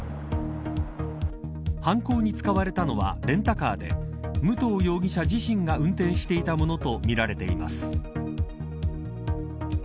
犯行に使われたのはレンタカーで武藤容疑者自身が運転していたものとみられています。